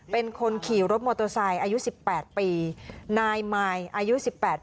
เป็นคนขี่รถมอเตอร์ไซค์อายุสิบแปดปีนายมายอายุสิบแปดปี